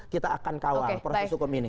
kita akan kawal proses hukum ini